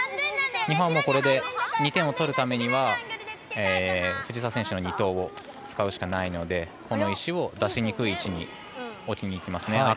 日本はこれで２点を取るためには藤澤選手の２投を使うしかないのでこの石を出しにくい位置に置きに行きますね。